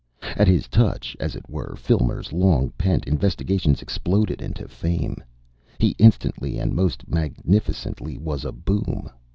At his touch, as it were, Filmer's long pent investigations exploded into fame. He instantly and most magnificently was a Boom.